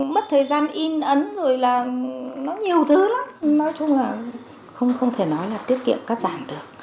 mất thời gian in ấn rồi là nó nhiều thứ lắm nói chung là không thể nói là tiết kiệm cắt giảm được